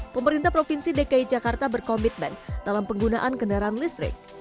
pemerintah provinsi dki jakarta berkomitmen dalam penggunaan kendaraan listrik